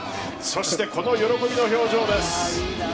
そして、この喜びの表情です。